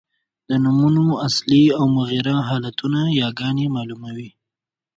د نومونو اصلي او مغیره حالتونه یاګاني مالوموي.